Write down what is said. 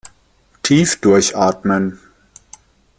Tief durchatmen!